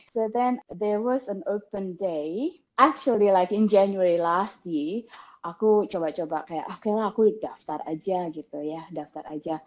so then there was an open day actually like in january last year aku coba coba kayak okay lah aku daftar aja gitu ya daftar aja